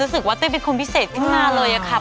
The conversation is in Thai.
รู้สึกว่าเต้เป็นคนพิเศษขึ้นมาเลยอะค่ะ